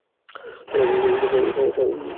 তাঁর অপ্রকাশিত রচনাবলীর সংখ্যা অনেক।